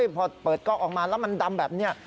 พอเปิดกล้องออกมาแล้วมันดำแบบนี้